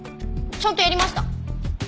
ちゃんとやりました。